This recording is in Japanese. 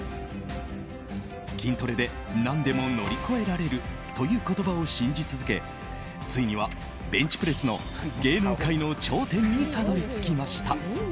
筋トレで何でも乗り越えられるという言葉を信じ続けついにはベンチプレスの芸能界の頂点にたどり着きました。